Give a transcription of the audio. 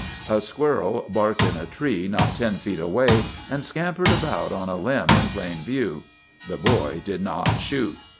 A squirrel barked in a tree not ten feet away, and scampered about on a limb in plain view. The boy did not shoot.